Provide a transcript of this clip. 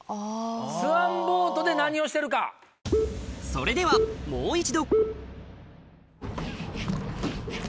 それではもう一度